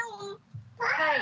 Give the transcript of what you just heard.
はい。